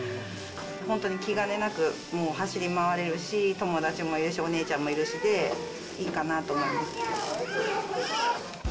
本当に気兼ねなく、もう走り回れるし、友達もいるし、お姉ちゃんもいるしでいいかなと思います。